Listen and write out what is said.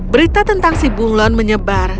berita tentang si bunglon menyebar